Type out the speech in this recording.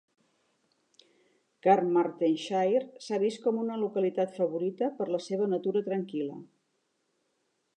Carmarthenshire s'ha vist com una localitat favorita per la seva natura tranquil·la.